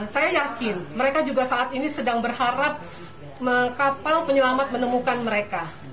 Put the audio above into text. saya yakin mereka juga saat ini sedang berharap kapal penyelamat menemukan mereka